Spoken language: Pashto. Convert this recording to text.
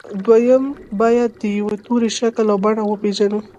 دويم بايد د يوه توري شکل او بڼه وپېژنو.